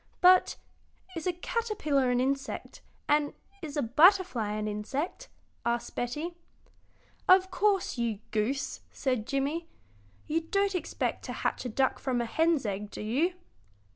"But is a caterpillar an insect, and is a butterfly an insect?" asked Betty. "Of course, you goose," said Jimmie; "you don't expect to hatch a duck from a hen's egg, do you?"